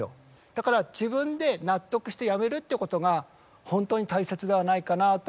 だから自分で納得してやめるっていうことが本当に大切ではないかなと思ってます。